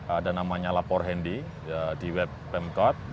ada namanya lapor handy di web pemkot